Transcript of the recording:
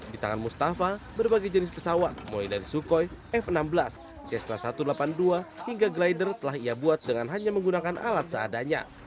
di tangan mustafa berbagai jenis pesawat mulai dari sukhoi f enam belas cessna satu ratus delapan puluh dua hingga glider telah ia buat dengan hanya menggunakan alat seadanya